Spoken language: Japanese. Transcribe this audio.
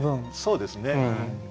そうですね。